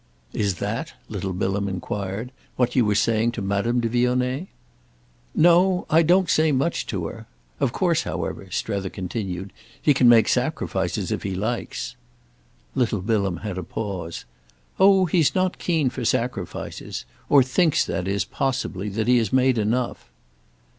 "Is that," little Bilham enquired, "what you were saying to Madame de Vionnet?" "No—I don't say much to her. Of course, however," Strether continued, "he can make sacrifices if he likes." Little Bilham had a pause. "Oh he's not keen for sacrifices; or thinks, that is, possibly, that he has made enough."